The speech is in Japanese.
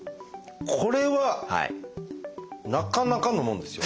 これはなかなかのもんですよ。